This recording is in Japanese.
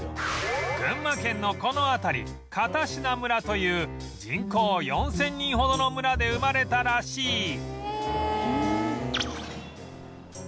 群馬県のこの辺り片品村という人口４０００人ほどの村で生まれたらしい